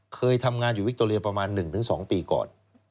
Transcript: เคยทำงานอยู่วิคโตเรียประมาณ๑๒ปีก่อน